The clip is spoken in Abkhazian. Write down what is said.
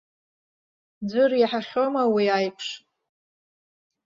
Ӡәыр иаҳахьоума уи аиԥш!